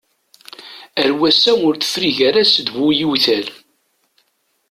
Ar wass-a ur tefri gar-as d bu yiwtal.